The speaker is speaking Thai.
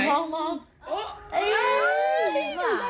เอ๊๊ยจำได้ป่ะ